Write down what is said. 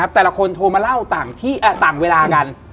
แต่ละคนโทรมาเล่าต่างเวลากัน